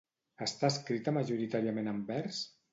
Està escrita majoritàriament en vers?